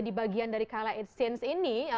jadi bagian dari kala it's since ini